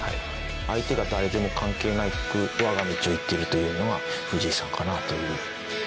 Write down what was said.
相手が誰でも関係なく我が道を行ってるというのは藤井さんかなという。